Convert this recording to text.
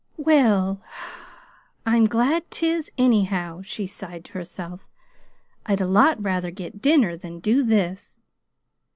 "Well, I'm glad 'tis, anyhow," she sighed to herself. "I'd a lot rather get dinner than do this.